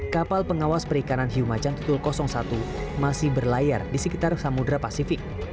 kapal pengawas perikanan hiu macan tutul satu masih berlayar di sekitar samudera pasifik